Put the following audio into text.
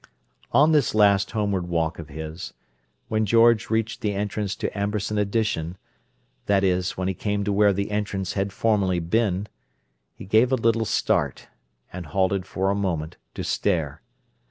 On this last homeward walk of his, when George reached the entrance to Amberson Addition—that is, when he came to where the entrance had formerly been—he gave a little start, and halted for a moment to stare.